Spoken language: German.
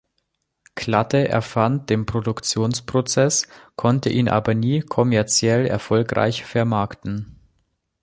Klatte erfand den Produktionsprozess, konnte ihn aber nie kommerziell erfolgreich vermarkten.